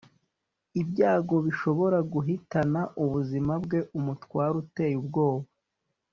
ibyago bishobora guhitana ubuzima bwe umutware uteye ubwoba